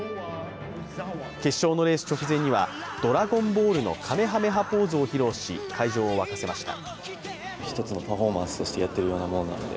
決勝のレース直前には、「ドラゴンボール」のかめはめ波ポーズを披露し会場を沸かせました。